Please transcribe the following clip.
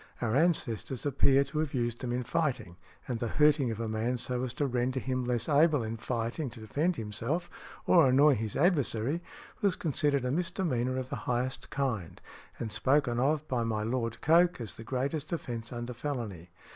Our ancestors appear to have used them in fighting, and the hurting of a man so as to render him less able in fighting to defend himself or annoy his adversary, was considered a misdemeanor of the highest kind, and spoken of by my Lord Coke as the greatest offence under felony.